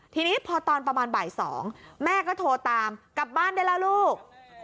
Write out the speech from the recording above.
ทีนี้พอตอนประมาณบ่าย๒แม่ก็โทรตามกลับบ้านได้แล้วลูก